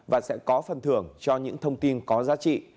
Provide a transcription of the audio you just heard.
và sẽ có phần thưởng cho những thông tin có giá trị